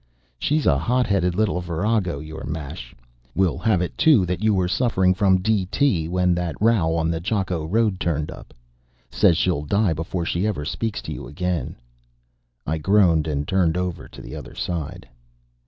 She's a hot headed little virago, your mash. 'Will have it too that you were suffering from D. T. when that row on the Jakko road turned up. 'Says she'll die before she ever speaks to you again." I groaned and turned over to the other side.